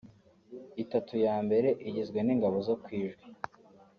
itatu ya mbere igizwe n’ingabo zo ku Ijwi